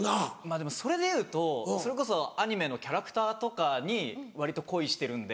でもそれでいうとそれこそアニメのキャラクターとかに割と恋してるんで。